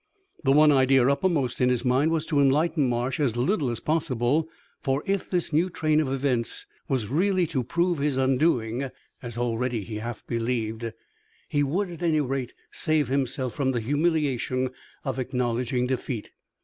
The one idea uppermost in his mind was to enlighten Marsh as little as possible; for if this new train of events was really to prove his undoing, as already he half believed, he would at any rate save himself from the humiliation of acknowledging defeat.